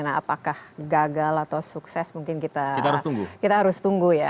nah apakah gagal atau sukses mungkin kita harus tunggu ya